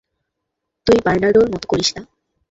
তুই বার্নার্ডোর মতো করিস না।